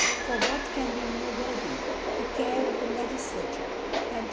For what can be more worthy the Care of the Legtflature, than to